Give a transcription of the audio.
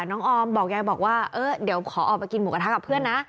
ออมบอกยายบอกว่าเออเดี๋ยวขอออกไปกินหมูกระทะกับเพื่อนนะ